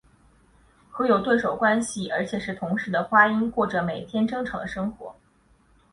和有对手关系而且是同室的花音过着每天争吵的生活。